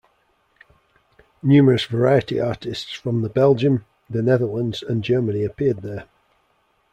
Numerous variety artists from the Belgium, the Netherlands and Germany appeared there.